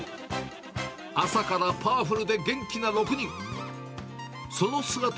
朝からパワフルで元気な６人。